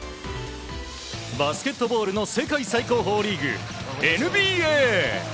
バスケットボールの世界最高峰リーグ、ＮＢＡ！